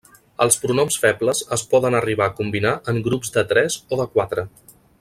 Els pronoms febles es poden arribar a combinar en grups de tres o de quatre.